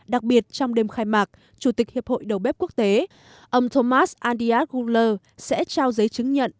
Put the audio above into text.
đặc biệt trong đêm khai mạc chủ tịch hiệp hội đầu bếp quốc tế ông thomas andia guller sẽ trao giấy chứng nhận